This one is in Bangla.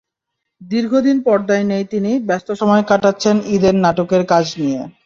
দীর্ঘদিন পর্দায় নেই তিনি, ব্যস্ত সময় কাটাচ্ছেন ঈদের নাটকের কাজ নিয়ে।